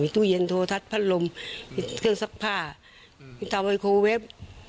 ตู้เย็นโทรทัศน์พัดลมเครื่องซักผ้าปิดตาไวโคเว็บ